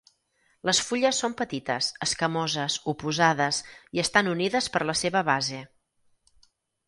Les fulles són petites, escamoses, oposades i estan unides per la seva base.